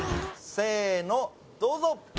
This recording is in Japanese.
せのどうぞ！